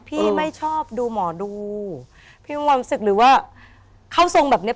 พี่ไม่ชอบดูหมอดูพี่มีความรู้สึกหรือว่าเข้าทรงแบบเนี้ย